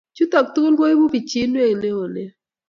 Chutok tugul koibu pichinwek neo nea